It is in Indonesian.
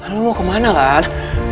lu mau kemana lan